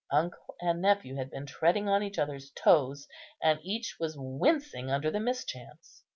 Uncle and nephew had been treading on each other's toes, and each was wincing under the mischance.